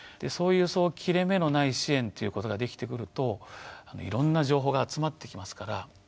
そういう切れ目のない支援ということができてくるといろんな情報が集まってきますから。